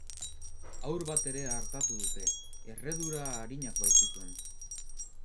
Haur bat ere artatu dute, erredura arinak baitzituen.